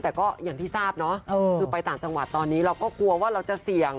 แต่ก็อย่างที่ทราบเนาะคือไปต่างจังหวัดตอนนี้เราก็กลัวว่าเราจะเสี่ยง